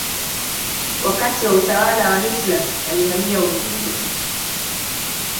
Wakati wa utawala wa Hitler alihamia Uingereza.